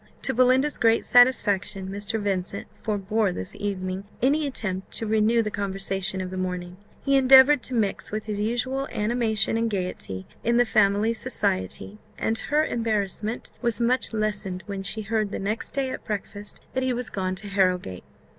To Belinda's great satisfaction, Mr. Vincent forbore this evening any attempt to renew the conversation of the morning; he endeavoured to mix, with his usual animation and gaiety, in the family society; and her embarrassment was much lessened when she heard the next day, at breakfast, that he was gone to Harrowgate.